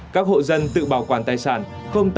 các hộ dân tự bảo quản tài sản